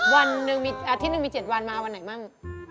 วันหนึ่งอาทิตย์หนึ่งมีเจ็ดวันมาวันไหนบ้าง